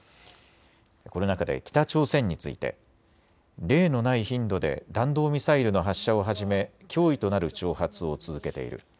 この中で北朝鮮について、例のない頻度で弾道ミサイルの発射をはじめ脅威となる挑発を続けている。